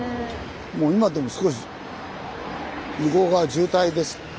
もう今でも少し向こう側渋滞ですよね。